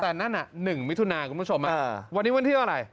แต่นั่น๑มิถุนาคุณผู้ชมวันนี้วันที่เท่าไหร่